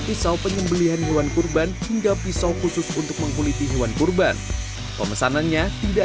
pisau penyembelian hewan kurban hingga pisau khusus untuk mengkuliti hewan kurban pemesanannya tidak